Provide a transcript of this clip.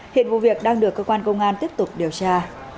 hiện vụ việc đang được cơ quan công an tiếp tục điều tra